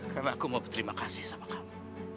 karena aku mau berterima kasih sama kamu